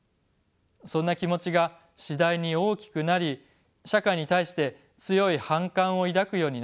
そんな気持ちが次第に大きくなり社会に対して強い反感を抱くようになっていきました。